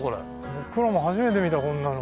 僕らも初めて見たこんなの。